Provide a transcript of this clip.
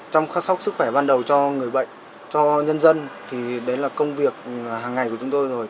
trong khắc sóc sức khỏe ban đầu cho người bệnh cho nhân dân thì đấy là công việc hàng ngày của chúng tôi rồi